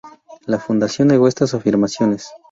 La Fundación negó estas afirmaciones.